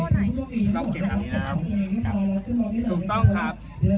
นะครับถูกต้องครับ